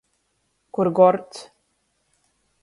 Kur gords!